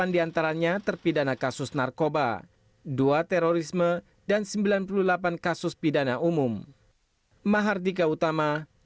delapan diantaranya terpidana kasus narkoba dua terorisme dan sembilan puluh delapan kasus pidana umum